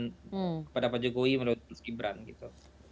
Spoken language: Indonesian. kepada pak jokowi menurut mas gibran gitu